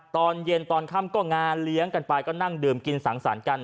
ตอนเย็นตอนค่ำก็งานเลี้ยงกันไปก็นั่งดื่มกินสังสรรค์กัน